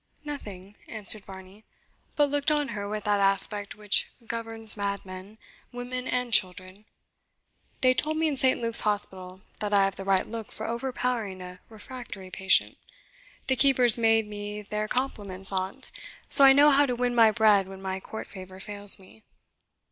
"Nothing," answered Varney, "but looked on her with that aspect which governs madmen, women, and children. They told me in St. Luke's Hospital that I have the right look for overpowering a refractory patient. The keepers made me their compliments on't; so I know how to win my bread when my court favour fails me."